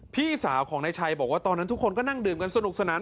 พี่สาวของนายชัยบอกว่าตอนนั้นทุกคนก็นั่งดื่มกันสนุกสนาน